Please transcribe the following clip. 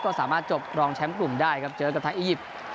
ก็สามารถจบรองแชมป์กลุ่มได้ครับเจอกับทางอียิปต์